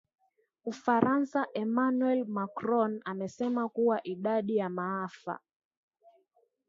Ufaransa Emmanuel Macron amesema kuwa idadi ya maafa